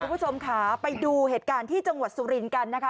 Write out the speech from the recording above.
คุณผู้ชมค่ะไปดูเหตุการณ์ที่จังหวัดสุรินทร์กันนะคะ